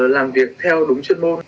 làm việc theo đúng chuyên môn